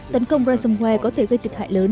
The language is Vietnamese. tấn công resumway có thể gây tịch hại lớn